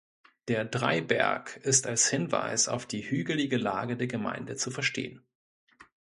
Der Dreiberg ist als Hinweis auf die hügelige Lage der Gemeinde zu verstehen.